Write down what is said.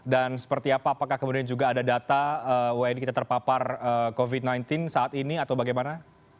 seperti apa apakah kemudian juga ada data wni kita terpapar covid sembilan belas saat ini atau bagaimana